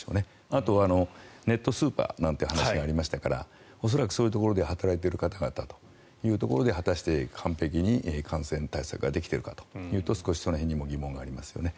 あとはネットスーパーなんていう話がありましたから恐らく、そういうところで働いている方々が果たして、完璧に感染対策ができているかというとそこにも少し疑問がありますよね。